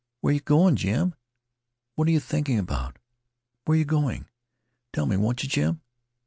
"Where yeh goin', Jim? What you thinking about? Where you going? Tell me, won't you, Jim?"